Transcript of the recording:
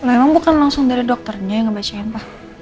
memang bukan langsung dari dokternya yang ngebacain pak